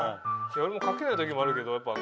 俺もかけない時もあるけどやっぱ。